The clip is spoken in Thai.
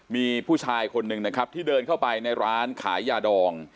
มีผู้ชายคนหนึ่งนะครับที่เดินเข้าไปในร้านขายยาดอง